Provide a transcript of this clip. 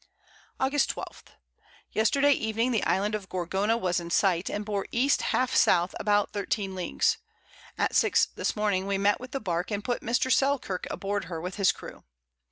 August 12. Yesterday Evening, the Island of Gorgona was in sight, and bore E. half S. about 13 Leagues. At 6 this Morning, we met with the Bark, and put Mr. Selkirk aboard her, with his Crew.